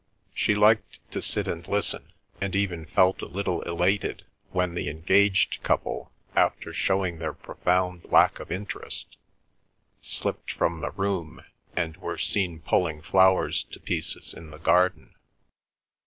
She liked to sit and listen, and even felt a little elated when the engaged couple, after showing their profound lack of interest, slipped from the room, and were seen pulling flowers to pieces in the garden.